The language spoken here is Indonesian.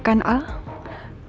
ketemunya sama gue